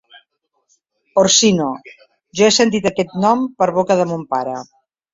Orsino! Jo he sentit aquest nom per boca de mon pare.